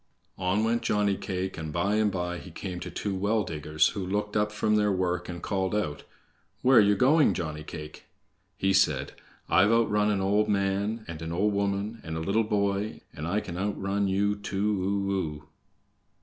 On went Johnny cake, and by and by he came to two well diggers, who looked up from their work and called out: "Where ye going, Johnny cake?" He said: "I've outrun an old man, and an old woman, and a little boy, and I can outrun you too o o!"